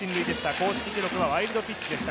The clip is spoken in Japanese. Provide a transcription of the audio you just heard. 公式記録はワイルドピッチでした。